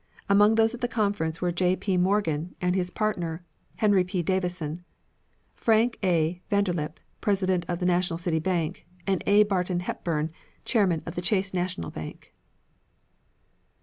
Among those at the conference were J. P. Morgan and his partner, Henry P. Davison; Frank A. Vanderlip, president of the National City Bank, and A. Barton Hepburn, chairman of the Chase National Bank.